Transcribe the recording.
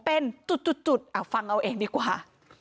เอาฟังเอาเองดีกว่า